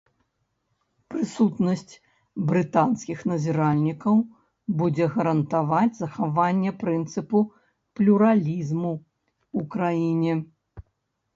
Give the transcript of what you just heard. Прысутнасць брытанскіх назіральнікаў будзе гарантаваць захаванне прынцыпу плюралізму у краіне.